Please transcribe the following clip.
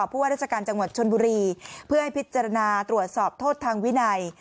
ผู้ว่าราชการจังหวัดชนบุรีเพื่อให้พิจารณาตรวจสอบโทษทางวินัย